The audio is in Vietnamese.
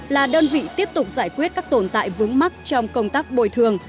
là đơn vị tiếp tục giải quyết các tồn tại vướng mắc trong công tác bồi thường